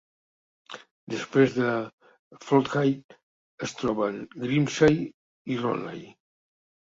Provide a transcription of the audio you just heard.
Després de Flodaigh es troben Grimsay i Ronay.